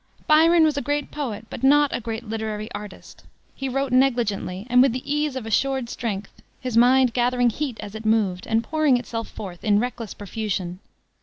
Byron was a great poet but not a great literary artist. He wrote negligently and with the ease of assured strength, his mind gathering heat as it moved, and pouring itself forth in reckless profusion.